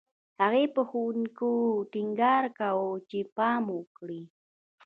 هغې په ښوونکو ټینګار کاوه چې پام وکړي